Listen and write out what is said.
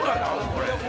これ。